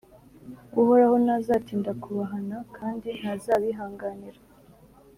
Uhoraho ntazatinda kubahana kandi ntazabihanganira